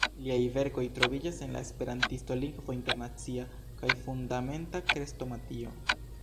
Liaj verkoj troviĝas en "La Esperantisto, Lingvo Internacia" kaj "Fundamenta Krestomatio".